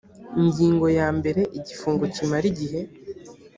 ingingo ya mbere igifungo kimara igihe